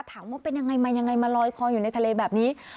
ถามว่าเป็นอย่างไรมันลอยคออยู่ในทะเลแบบนี้